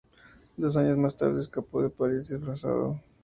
Dos años más tarde escapó de París disfrazado.